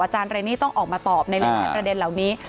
อาจารย์เรนนี่ต้องออกมาตอบในเรื่องประเด็นเหล่านี้